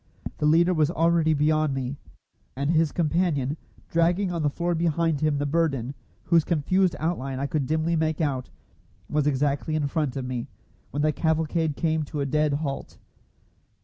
The leader was already beyond me, and his companion, dragging on the floor behind him the burden, whose confused outline I could dimly make out, was exactly in front of me, when the cavalcade came to a dead halt.